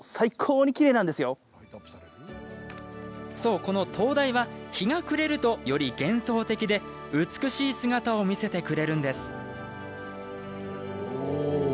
そう、この灯台は日が暮れるとより幻想的で美しい姿を見せてくれるんです。